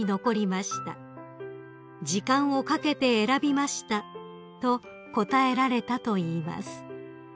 「時間をかけて選びました」と答えられたといいます］